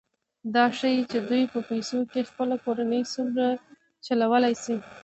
دا ښيي چې دوی په پیسو خپله کورنۍ څومره چلولی شي